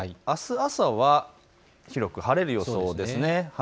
あす朝は広く晴れる予報です。